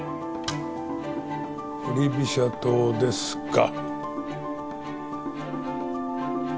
振り飛車党ですか。